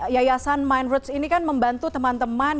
yayasan mindroots ini kan membantu teman teman